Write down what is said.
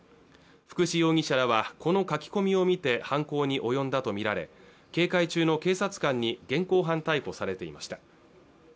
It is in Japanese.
福士容疑者らはこの書き込みを見て犯行に及んだとみられ警戒中の警察官に現行犯逮捕されていました